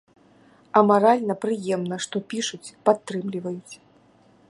А маральна прыемна, што пішуць, падтрымліваюць.